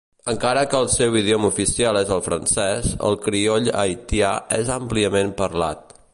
Encara que el seu idioma oficial és el francès, el crioll haitià és àmpliament parlat.